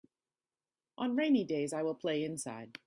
On rainy days I will play inside.